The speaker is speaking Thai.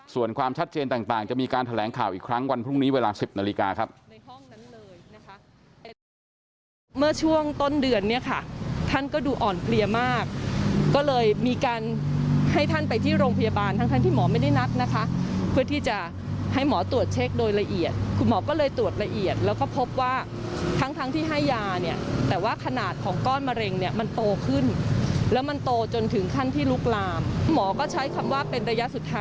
ส่วนความชัดเจนต่างจะมีการแถลงข่าวอีกครั้งวันพรุ่งนี้เวลา๑๐นาฬิกาครับ